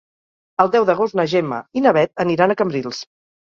El deu d'agost na Gemma i na Bet aniran a Cambrils.